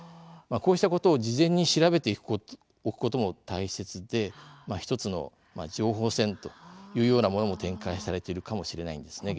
こうしたことを事前に調べておくことも大切で１つの情報戦というようなものも展開されているかもしれないです